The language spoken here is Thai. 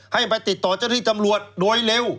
ให้ไปติดต่อเจ้าหน้าที่ตำรวจโดยเร็ว